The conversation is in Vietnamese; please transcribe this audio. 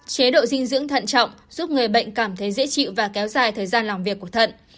chế độ dinh dưỡng thận trọng giúp người bệnh cảm thấy dễ chịu và kéo dài thời gian làm việc của thận